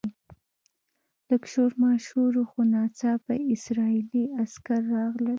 لږ شور ماشور و خو ناڅاپه اسرایلي عسکر راغلل.